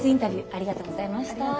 ありがとうございます。